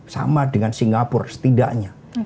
sama dengan singapura setidaknya